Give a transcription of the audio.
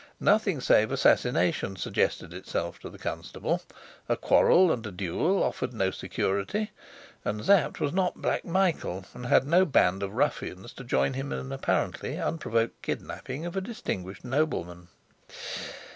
Nothing save assassination suggested itself to the constable; a quarrel and a duel offered no security; and Sapt was not Black Michael, and had no band of ruffians to join him in an apparently unprovoked kidnapping of a distinguished nobleman.